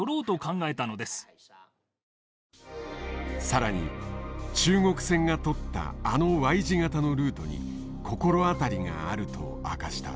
更に中国船が取ったあのＹ字型のルートに心当たりがあると明かした。